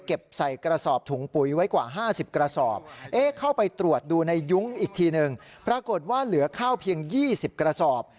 โดยตรวจดูในยุงอีกทีนึงปรากฏว่าเหลือข้าวเพียง๒๐กระสอบ